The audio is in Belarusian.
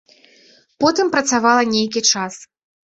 Потым працавала нейкі час.